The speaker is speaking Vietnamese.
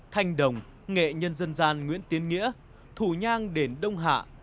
thanh đồng nghệ nhân dân gian nguyễn tiến nghĩa thủ nhang đền đông hạ